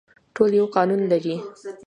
ټول یو قانون لري